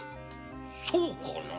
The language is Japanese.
そうかの！？